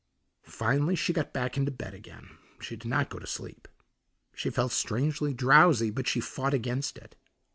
Finally she got back into bed again; she did not go to sleep. She felt strangely drowsy, but she fought against it.